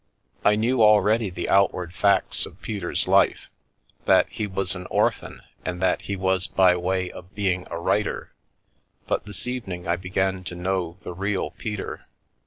I knew already the outward facts of Peter's life — that he was an orphan and that he was by way of being a writer, but this evening I began to know the real Peter.